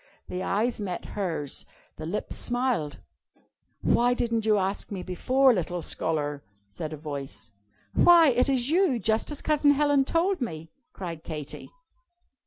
The eyes met hers. The lips smiled. "Why didn't you ask me before, Little Scholar?" said a voice. "Why, it is You, just as Cousin Helen told me!" cried Katy.